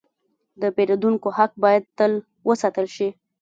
د پیرودونکو حق باید تل وساتل شي.